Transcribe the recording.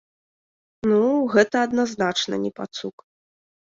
Ну, гэта адназначна не пацук.